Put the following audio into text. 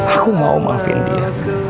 aku mau maafin dia